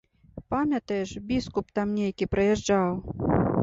Памятаеш, біскуп там нейкі прыязджаў?